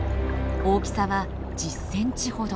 大きさは１０センチほど。